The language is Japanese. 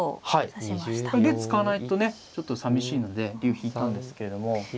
竜使わないとねちょっとさみしいので竜引いたんですけれども。